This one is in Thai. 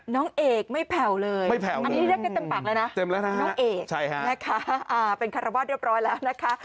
น้องเอกไม่แผ่วเลยไม่แผ่วอันนี้เรียกได้เต็มปากแล้วนะเต็มแล้วนะน้องเอกนะคะเป็นคารวาสเรียบร้อยแล้วนะคะ